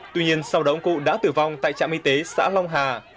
tuy nhiên sau đó ông cụ đã tử vong tại trạm y tế xã long hà